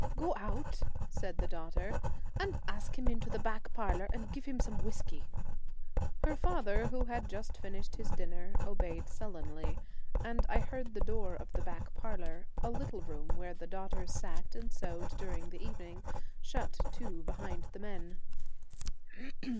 'Go out,' said the daughter, 'and ask him into the back parlour, and give him some whiskey.' Her father, who had just finished his dinner, obeyed sullenly, and I heard the door of the back parlour — a little room where the daughters sat and sewed during the evening — shut to behind the men.